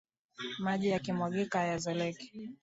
Maji yakimwagika hayazoleki